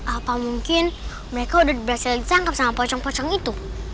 apa mungkin mereka udah biasa ditangkap sama pocong pocong itu